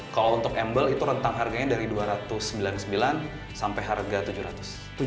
kalau untuk embel itu rentang harganya dari rp dua ratus sembilan puluh sembilan sampai harga rp tujuh ratus